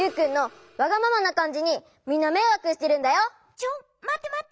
ちょまってまって！